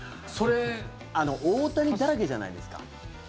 大谷だらけじゃないですか。